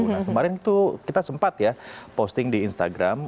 nah kemarin itu kita sempat ya posting di instagram